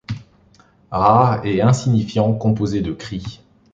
Rare et insignifiant, composé de cris.